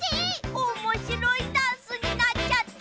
おもしろいダンスになっちゃった。